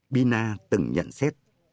pina từng nhận xét